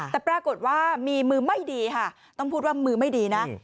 แต่ปรากฏว่ามีมือไม่ดีค่ะต้องพูดว่ามือไม่ดีนะ